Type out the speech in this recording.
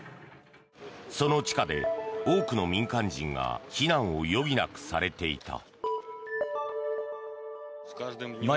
その地下で多くの民間人が避難を余儀なくされていた。